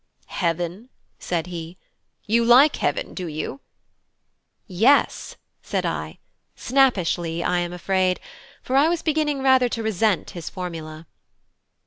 "Heaven?" said he: "you like heaven, do you?" "Yes," said I snappishly, I am afraid; for I was beginning rather to resent his formula.